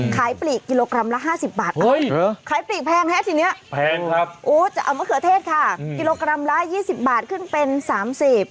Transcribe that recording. ปลีกกิโลกรัมละ๕๐บาทขายปลีกแพงฮะทีนี้แพงครับโอ้จะเอามะเขือเทศค่ะกิโลกรัมละ๒๐บาทขึ้นเป็น๓๐